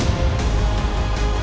sampai jumpa lagi